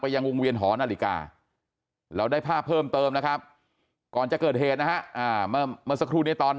ยังวงเวียนหอนาฬิกาเราได้ภาพเพิ่มเติมนะครับก่อนจะเกิดเหตุนะฮะเมื่อสักครู่นี้ตอน